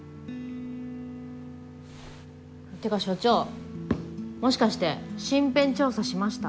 てか所長もしかして身辺調査しました？